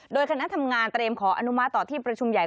โดยคณะทำงานเตรียมขออนุมัติต่อที่ประชุมใหญ่